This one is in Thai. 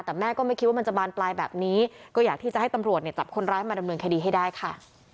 แต่แม่ก็ไม่คิดว่ามันจะบานปลายแบบนี้ก็อยากที่จะให้ตำรวจเนี่ยจับคนร้ายมาดำเนินคดีให้ได้ค่ะ